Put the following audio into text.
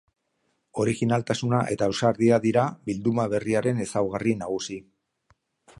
Originaltasuna eta ausardia dira bilduma berriaren ezaugarri nagusi.